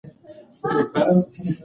دا کار د پوهې د خپرېدو لامل ګرځي.